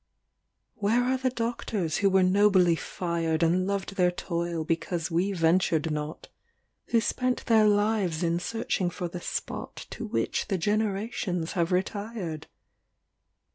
LVII Where are the doctors who were nobly fired And loved their toil because we ventured not, Who spent their lives in searching for the spot To which the generations have retired